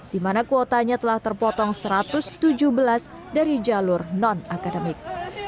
di mana kuotanya telah terpotong satu ratus tujuh belas dari jalur non akademik